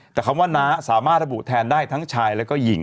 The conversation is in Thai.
แต่คำว่าน้าสามารถระบุแทนได้ทั้งชายแล้วก็หญิง